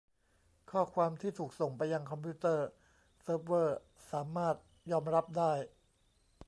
ข้อความที่ถูกส่งไปยังคอมพิวเตอร์เซิร์ฟเวอร์สามารถยอมรับได้